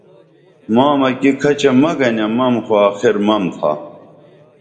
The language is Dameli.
مامکی کھچہ مہ گنیہ مم تہ آخر مم تھا